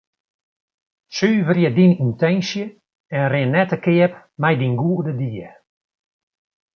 Suverje dyn yntinsje en rin net te keap mei dyn goede died.